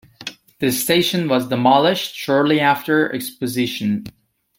The station was demolished shortly after the Exposition.